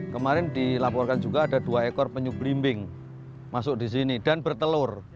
kemarin dilaporkan juga ada dua ekor penyu belimbing masuk di sini dan bertelur